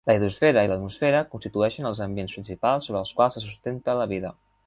La hidrosfera i l'atmosfera constitueixen els ambients principals sobre els quals se sustenta la vida.